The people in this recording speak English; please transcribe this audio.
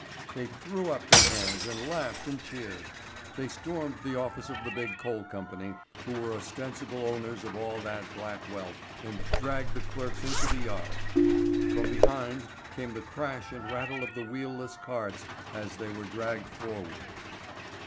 They threw up their hands and laughed and cheered. They stormed the office of the big coal company, who were ostensible owners of all that black wealth, and dragged the clerks into the yard. From behind came the crash and rattle of the wheel less carts as they were dragged forward.